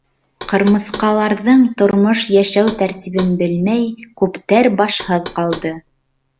Ҡырмыҫҡаларҙың тормош-йәшәү тәртибен белмәй, күптәр башһыҙ ҡалды.